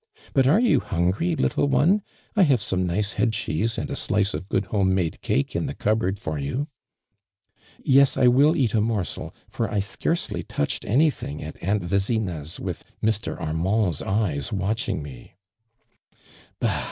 But are you hungry, little one ? I have some nice head cheese imd a slice of good home made cake in the cupboard for you." " Yes, I will eat a morsel, for I scarcely touched anything at Aunt Vezina's with Mr. Armand' s eyes watching me." " Bah !